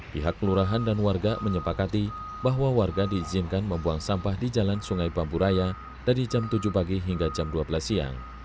pihak kelurahan dan warga menyepakati bahwa warga diizinkan membuang sampah di jalan sungai bambu raya dari jam tujuh pagi hingga jam dua belas siang